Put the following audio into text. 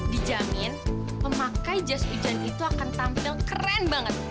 dijamin memakai jas hujan itu akan tampil keren banget